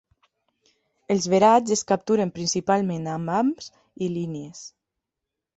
Els verats es capturen principalment amb hams i línies.